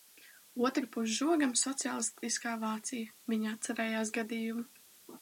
Otrpus žogam – sociālistiskā Vācija. Viņa atcerējās gadījumu.